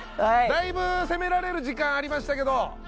だいぶ攻められる時間ありましたけど。